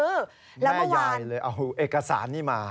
แล้วเมื่อวานแม่ยายเลยเอาเอกสารนี้มา